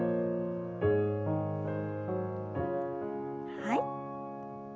はい。